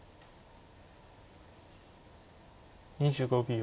２５秒。